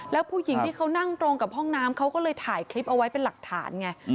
แล้วผู้หญิงที่เขานั่งตรงกับห้องน้ำเขาก็เลยถ่ายคลิปเอาไว้เป็นหลักฐานไง